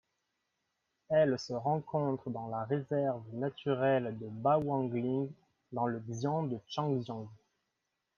Elle se rencontre dans la réserve naturelle de Bawangling dans le xian de Changjiang.